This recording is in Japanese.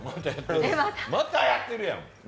またやってるやん。